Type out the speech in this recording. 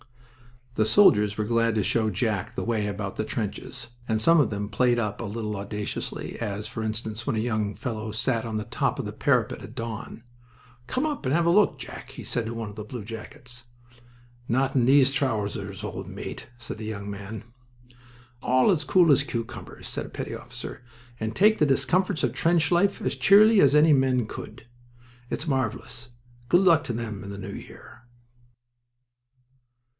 The soldiers were glad to show Jack the way about the trenches, and some of them played up a little audaciously, as, for instance, when a young fellow sat on the top of the parapet at dawn. "Come up and have a look, Jack," he said to one of the bluejackets. "Not in these trousers, old mate!" said that young man. "All as cool as cucumbers," said a petty officer, "and take the discomforts of trench life as cheerily as any men could. It's marvelous. Good luck to them in the new year!"